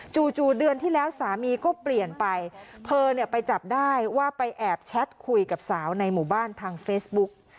จู่เดือนที่แล้วสามีก็เปลี่ยนไปเธอเนี่ยไปจับได้ว่าไปแอบแชทคุยกับสาวในหมู่บ้านทางเฟซบุ๊ก